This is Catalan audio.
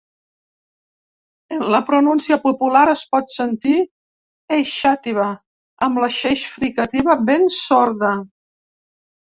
En la pronúncia popular es pot sentir ‘Eixàtiva’, amb la xeix fricativa ben sorda.